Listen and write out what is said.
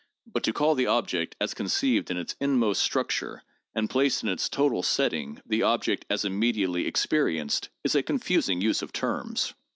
But to call the object as conceived in its inmost structure, and placed in its total setting, the object as immediately experienced, is a confusing use of terms.